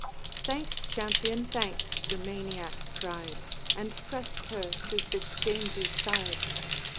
'Thanks, champion, thanks' the Maniac cried, And pressed her to Fitz James's side.